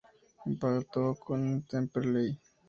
Empató con el Temperley.